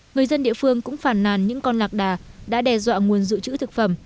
người dân địa phương cũng phản nàn những con lạc đà đã đe dọa nguồn dự trữ thực phẩm